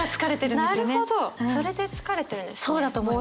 それで疲れてるんですね。